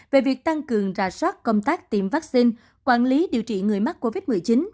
về việc tăng cường rà soát công tác tiêm vaccine quản lý điều trị người mắc covid một mươi chín